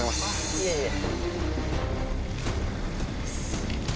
いえいえ。